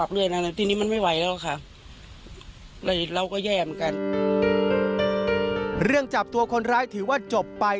เรื่องจับตัวคนร้ายถือว่าจบไป